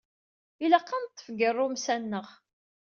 Ilaq ad neṭṭef deg irumsa-nneɣ.